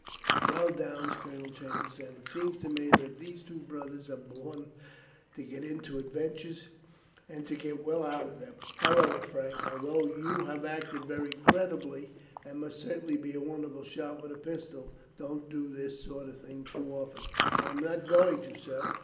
"Well, Downes," Colonel Chambers said, "it seems to me that these two brothers are born to get into adventures and to get well out of them. However, Frank, although you have acted very creditably, and must certainly be a wonderful shot with a pistol, don't do this sort of thing too often." "I am not going to, sir.